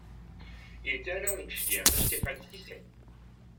Il était alors l'auxiliaire de Stéphane Fiset.